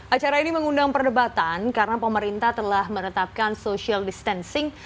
acara ini mengundang perdebatan karena pemerintah telah menetapkan social distancing